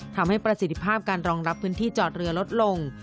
ทำให้ประสิทธิภาพการรองรับพื้นที่จอดเรือลดลง